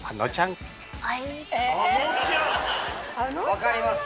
分かります。